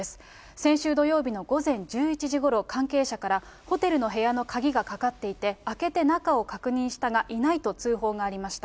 先週土曜日の午前１１時ごろ、関係者から、ホテルの部屋の鍵がかかっていて、開けて中を確認したが、いないと通報がありました。